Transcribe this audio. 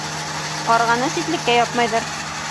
Ҡарғаны ситлеккә япмайҙар.